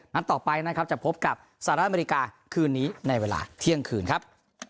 นัดต่อไปนะครับจะพบกับสหรัฐอเมริกาคืนนี้ในเวลาเที่ยงคืนครับ